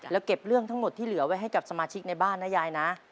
แล้วเก็บเรื่องทั้งหมดที่เหลือไว้ให้กับสมาชิกในบ้านนะยายนะ